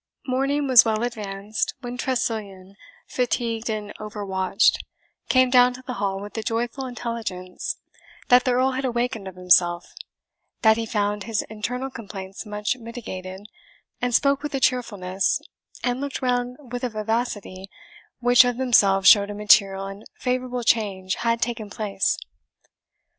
Morning was well advanced when Tressilian, fatigued and over watched, came down to the hall with the joyful intelligence that the Earl had awakened of himself, that he found his internal complaints much mitigated, and spoke with a cheerfulness, and looked round with a vivacity, which of themselves showed a material and favourable change had taken place.